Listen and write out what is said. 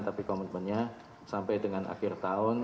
tapi komitmennya sampai dengan akhir tahun